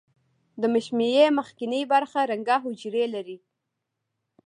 د مشیمیې مخکینۍ برخه رنګه حجرې لري.